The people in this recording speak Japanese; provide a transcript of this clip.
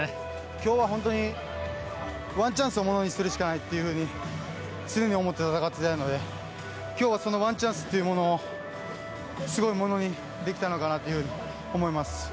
今日は、本当にワンチャンスをものにするしかないって常に思って戦っていたので今日はそのワンチャンスというものをすごくものにできたのかなと思います。